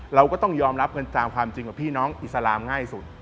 เราก็ต้องยอมรับกันตามความจริงกับพี่น้องอิสลามง่ายสุด